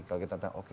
kalau kita tanya oke